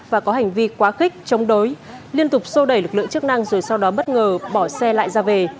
và có hành vi quá khích chống đối liên tục sô đẩy lực lượng chức năng rồi sau đó bất ngờ bỏ xe lại ra về